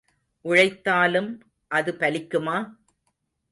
உழைத்தாலும் அது பலிக்குமா?